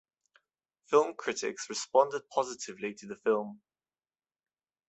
Film critics responded positively to the film.